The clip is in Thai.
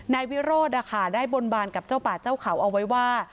นายวิโรธได้บนบานกับเจ้าป่าเจ้าเขาเอาไว้ว่า